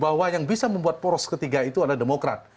bahwa yang bisa membuat poros ketiga itu adalah demokrat